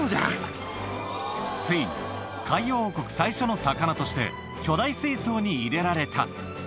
ついに、海洋王国最初の魚として、巨大水槽に入れられた。